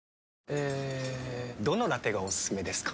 えどのラテがおすすめですか？